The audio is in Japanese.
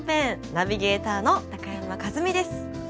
ナビゲーターの高山一実です。